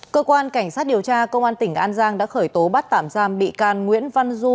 cơ quan cảnh sát điều tra công an tỉnh an giang đã khởi tố bắt tạm giam bị can nguyễn văn du